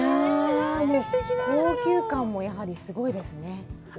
高級感もやはりすごいですね。